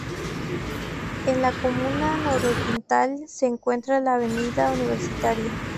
En la comuna nororiental se encuentra la Avenida Universitaria.